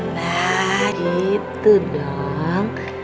nah gitu dong